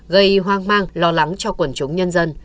gây hoang mang lo lắng cho quần chúng nhân dân